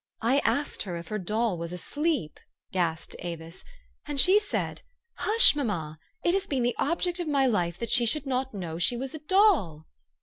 " "I asked her if her doll was asleep," gasped Avis, " and she said, Hush, mamma! It has been the object of my life that she should not know she was a doll."